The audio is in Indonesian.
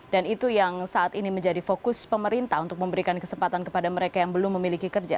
dan itu yang saat ini menjadi fokus pemerintah untuk memberikan kesempatan kepada mereka yang belum memiliki kerja